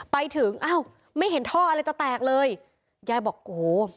ไปถึงอ้าวไม่เห็นท่ออะไรจะแตกเลยยายบอกโอ้โห